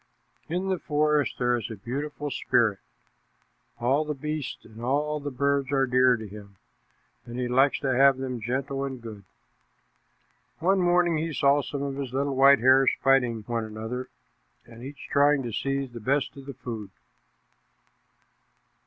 In the forest there is a beautiful spirit. All the beasts and all the birds are dear to him, and he likes to have them gentle and good. One morning he saw some of his little white hares fighting one another, and each trying to seize the best of the food.